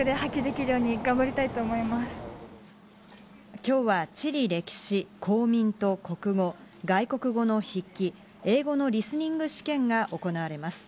今日は地理歴史、公民と国語、外国語の筆記、英語のリスニング試験が行われます。